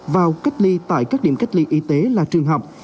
vào cách ly tại các điểm cách ly y tế là trường học